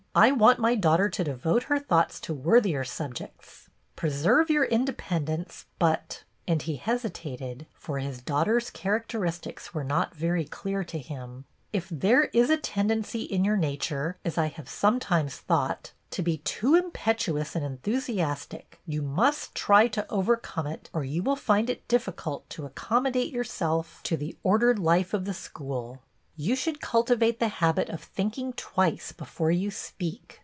" I want my daughter to devote her thoughts to worthier subjects. Preserve your independence, but —" and he hesitated, for his daughter's characteristics were not very clear to him, "— if there is a tendency in your nature, as I have sometimes thought, to be too impetuous and enthusiastic, you must try to overcome it, or you will find difficult to accommodate yourself to the BETTY BAIRD 14 ordered life of the school. You should cul tivate the habit of thinking twice before you sj^eak."